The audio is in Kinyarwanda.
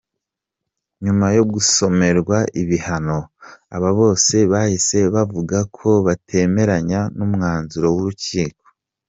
Nyuma yo gusomerwa ibihano, aba bose bahise bavuga ko batemeranya n’umwanzuro w’urukiko.